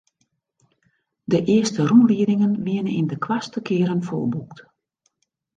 De earste rûnliedingen wiene yn de koartste kearen folboekt.